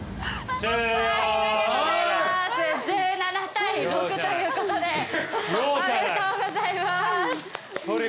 １７対６ということでおめでとうございます。